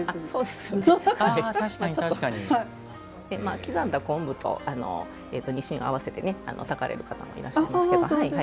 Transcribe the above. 刻んだ昆布とにしんを合わせて炊かれる方もいらっしゃいますけど。